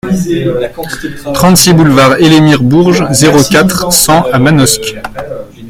trente-six boulevard Elémir Bourges, zéro quatre, cent à Manosque